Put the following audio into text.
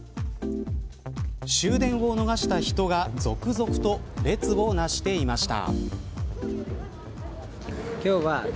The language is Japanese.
終電を逃した人が続々と列をなしていました。